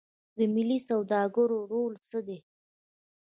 د ملي سوداګرو رول څه دی؟